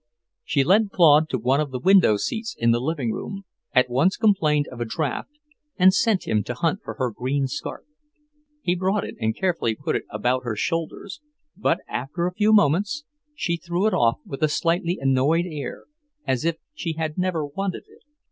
She led Claude to one of the window seats in the living room, at once complained of a draft, and sent him to hunt for her green scarf. He brought it and carefully put it about her shoulders; but after a few moments, she threw it off with a slightly annoyed air, as if she had never wanted it.